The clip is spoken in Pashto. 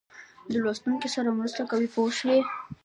د لوستونکي سره مرسته کوي پوه شوې!.